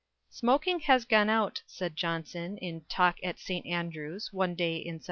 "Smoking has gone out," said Johnson in talk at St. Andrews, one day in 1773.